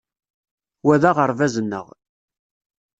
Wa d aɣerbaz-nneɣ.